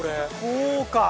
こうか！